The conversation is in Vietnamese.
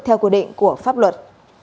theo quy định của pháp luật